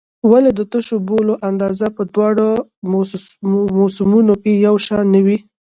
ولې د تشو بولو اندازه په دواړو موسمونو کې یو شان نه وي؟